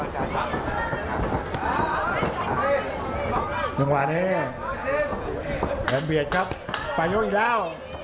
จังหวะนี้แบบเบียดครับไปยกอีกแล้ว